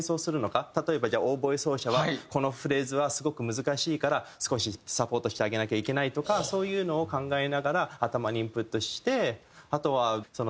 例えばじゃあオーボエ奏者はこのフレーズはすごく難しいから少しサポートしてあげなきゃいけないとかそういうのを考えながら頭にインプットして。